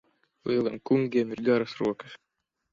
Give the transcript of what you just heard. Lieliem kungiem ir garas rokas.